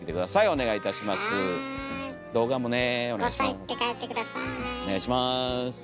お願いします。